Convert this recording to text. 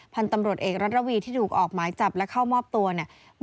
พันธุ์ตำรวจเอกรัฐระวีที่ถูกออกหมายจับและเข้ามอบตัวเนี่ย